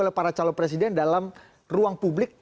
oleh para calon presiden dalam ruang publik